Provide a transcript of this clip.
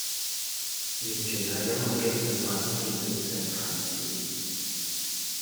完全係因為基本法已經變成廢紙